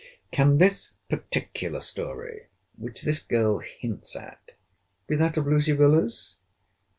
Can this particular story, which this girl hints at, be that of Lucy Villars?